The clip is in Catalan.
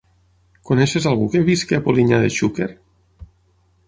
Coneixes algú que visqui a Polinyà de Xúquer?